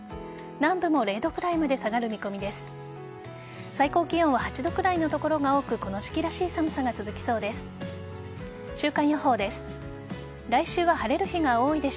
南部も０度ぐらいまで下がる見込みです。